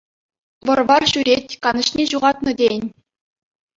Вӑр-вар ҫӳрет, канӑҫне ҫухатнӑ тейӗн.